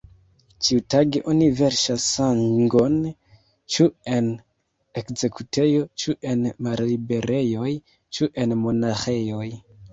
Ĉiutage oni verŝas sangon ĉu en ekzekutejo, ĉu en malliberejoj, ĉu en monaĥejoj.